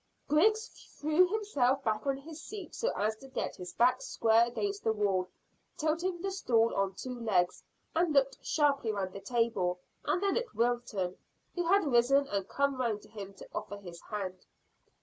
Griggs threw himself back on his seat so as to get his back square against the wall, tilting the stool on two legs, and looked sharply round the table, and then at Wilton, who had risen and come round to him to offer his hand.